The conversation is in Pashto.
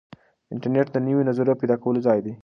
انټرنیټ د نویو نظریو د پیدا کولو ځای دی.